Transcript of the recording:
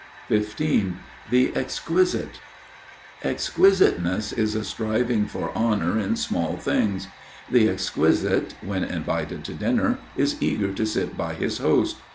XV The Exquisite (Μικροφιλοτιμία) Exquisiteness is a striving for honor in small things. The exquisite when invited to dinner, is eager to sit by his host.